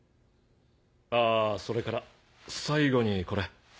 あぁそれから最後にこれ。